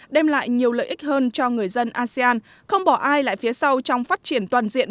đem lại nhiều lợi ích hơn cho người dân asean không bỏ ai lại phía sau trong phát triển toàn diện